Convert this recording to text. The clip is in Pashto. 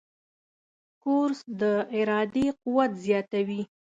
کورس د ارادې قوت زیاتوي.